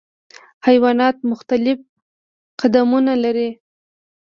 حیوانات مختلف قدونه لري.